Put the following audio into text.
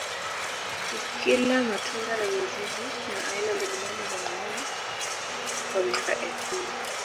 Ikila matunda na mizizi na aina mbalimbali za wanyama kwa miaka elfu nne